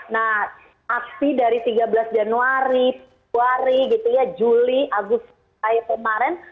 nah aksi dari tiga belas januari februari gitu ya juli agustus kayak kemarin